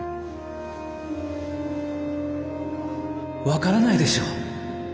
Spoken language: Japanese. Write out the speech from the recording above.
分からないでしょう。